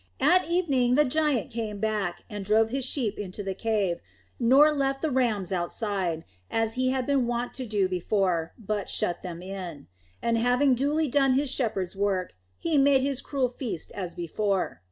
At evening the giant came back, and drove his sheep into the cave, nor left the rams outside, as he had been wont to do before, but shut them in. And having duly done his shepherd's work, he made his cruel feast as before.